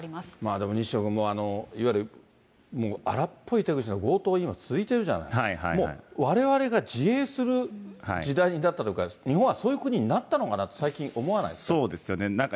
でも西野君、いわゆる荒っぽい手口の強盗、今続いてるじゃない、もう、われわれが自衛する時代になった、日本はそういう国になったのかなと、そうですよね。